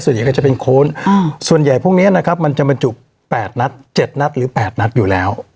ส่วนใหญ่ก็จะเป็นโค้นอ่าส่วนใหญ่พวกเนี้ยนะครับมันจะมันจุดแปดนัดเจ็ดนัดหรือแปดนัดอยู่แล้ว